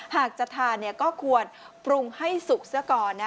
หากจะทานก็ควรปรุงให้สุกซะก่อน